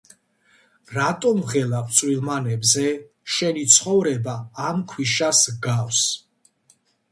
„რატომ ვღელავთ წვრილმანებზე?“ „შენი ცხოვრება ამ ქვიშას ჰგავს.